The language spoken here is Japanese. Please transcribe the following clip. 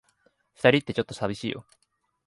二人って、ちょっと寂しいよ。